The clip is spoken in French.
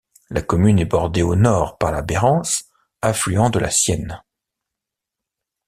La commune est bordée au nord par la Bérence, affluent de la Sienne.